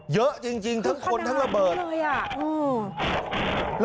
เยอะจริงทั้งคนทั้งระเบิดเลยอ่ะ